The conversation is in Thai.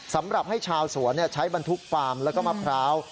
สำหรับให้ชาวสวนใช้บรรทุกฟาร์มแล้วก็มะพร้าว